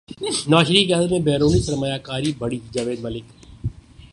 نواز شریف کی قیادت میں بیرونی سرمایہ کاری بڑھی جاوید ملک